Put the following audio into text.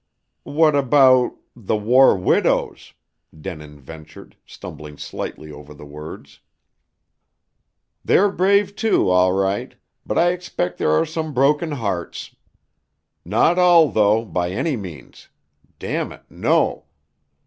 "What about the war widows?" Denin ventured, stumbling slightly over the words. "They're brave too, all right. But I expect there are some broken hearts. Not all, though, by any means. Damn it, no!